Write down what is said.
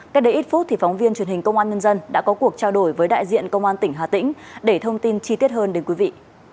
cách đây ít phút phóng viên truyền hình công an nhân dân đã có cuộc trao đổi với đại diện công an tỉnh hà tĩnh để thông tin chi tiết hơn đến quý vị